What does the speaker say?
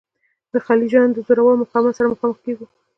د خلجیانو د زورور مقاومت سره مخامخ کیږو.